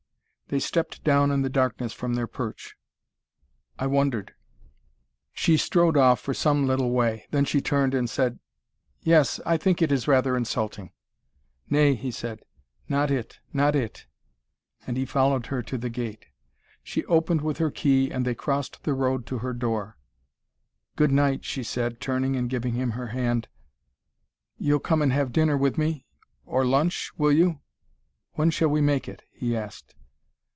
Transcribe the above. They stepped down in the darkness from their perch. "I wondered." She strode off for some little way. Then she turned and said: "Yes, I think it is rather insulting." "Nay," he said. "Not it! Not it!" And he followed her to the gate. She opened with her key, and they crossed the road to her door. "Good night," she said, turning and giving him her hand. "You'll come and have dinner with me or lunch will you? When shall we make it?" he asked.